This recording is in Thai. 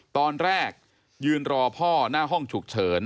ตอนแรกยืนรอพ่อหน้าห้องฉุกเฉิน